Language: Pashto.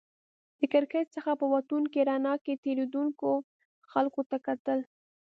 د کړکۍ څخه په وتونکې رڼا کې تېرېدونکو خلکو ته کتل.